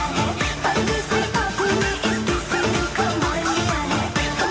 milenial itu juga kepo